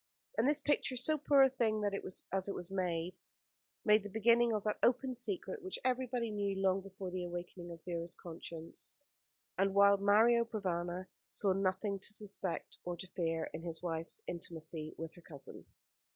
And this picture, so poor a thing as it was, made the beginning of that open secret, which everybody knew long before the awakening of Vera's conscience, and while Mario Provana saw nothing to suspect or to fear in his wife's intimacy with her cousin.